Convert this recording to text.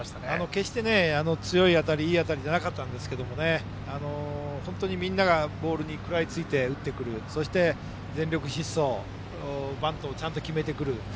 決して強い当たりいい当たりではなかったんですが本当にみんながボールに食らいついて打ってくるそして、全力疾走バントをちゃんと決めてくる。